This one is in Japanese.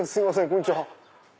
こんにちは。